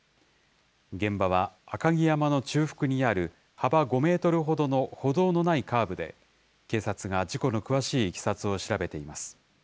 現場は赤城山の中腹にある幅５メートルほどの歩道のないカーブで、警察が事故の詳しいいきさつを調べています。